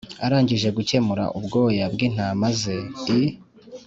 Arangije gukemura ubwoya bw’intama ze i